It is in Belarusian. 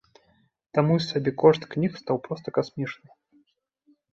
Таму сабекошт кніг стаў проста касмічным.